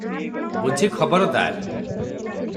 ବୁଝି ଖବରଦାର!